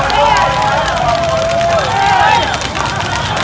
ต้องมีขึ้นก่อน